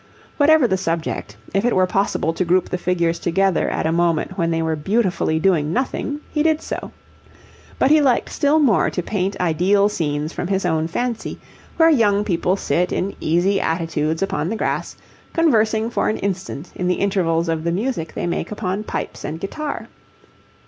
Whatever the subject, if it were possible to group the figures together at a moment when they were beautifully doing nothing, he did so. But he liked still more to paint ideal scenes from his own fancy, where young people sit in easy attitudes upon the grass, conversing for an instant in the intervals of the music they make upon pipes and guitar.